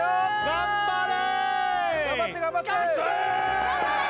頑張れ！